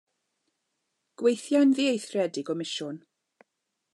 Gweithiai'n ddieithriad i gomisiwn.